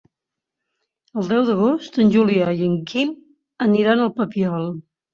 El deu d'agost en Julià i en Quim aniran al Papiol.